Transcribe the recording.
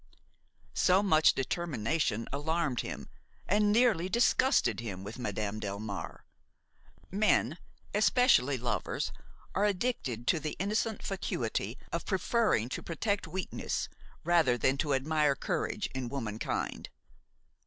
So much determination alarmed him and nearly disgusted him with Madame Delmare. Men, especially lovers, are addicted to the innocent fatuity of preferring to protect weakness rather than to admire courage in womankind.